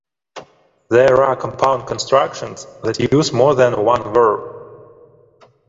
There are compound constructions that use more than one verb.